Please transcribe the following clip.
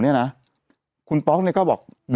เราก็มีความหวังอะ